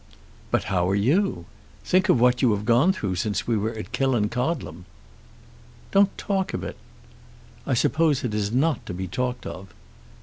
"But how are you? Think what you have gone through since we were at Killancodlem!" "Don't talk of it." "I suppose it is not to be talked of."